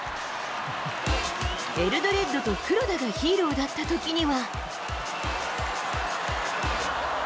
エルドレッドと黒田がヒーローだったときには。